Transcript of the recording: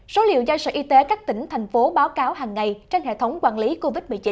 số liệu do sở y tế các tỉnh thành phố báo cáo hàng ngày trên hệ thống quản lý covid một mươi chín